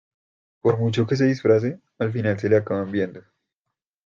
por mucho que se disfrace, al final se le acaban viendo